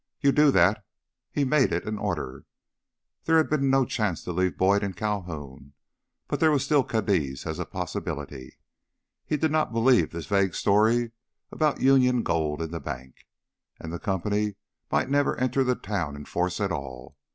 "You do that!" He made it an order. There had been no chance to leave Boyd in Calhoun. But there was still Cadiz as a possibility. He did not believe this vague story about Union gold in the bank. And the company might never enter the town in force at all.